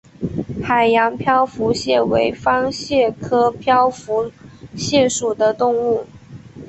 海洋漂浮蟹为方蟹科漂浮蟹属的动物。